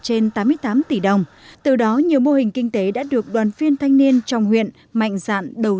trên tám mươi tám tỷ đồng từ đó nhiều mô hình kinh tế đã được đoàn phiên thanh niên trong huyện mạnh dạn đầu